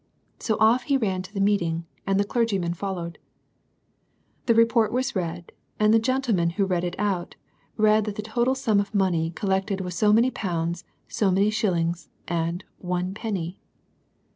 So oflf he ran to the meeting, and the clergyman followed. The Report was read, and the gentleman who read it out, read that the total sum of money collected was so many pounds, so many shillings, and one penny.